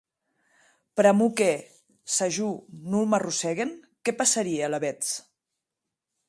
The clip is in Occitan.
Pr'amor que, s'a jo non m'arrossèguen, qué passarie alavetz?